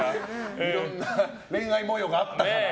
いろんな恋愛模様があったから。